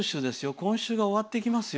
今週が終わっていきますよ。